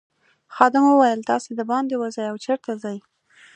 خادم وویل تاسي دباندې وزئ او چیرته ځئ.